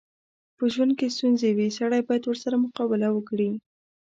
په ژوند کې ستونځې وي، سړی بايد ورسره مقابله وکړي.